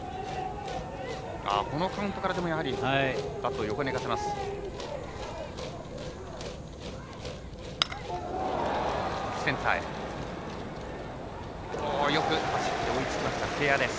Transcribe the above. このカウントからでもやはりバットを横に寝かせます。